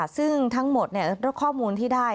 ซึ่งทั้งหมดเนี่ยแล้วข้อมูลที่ได้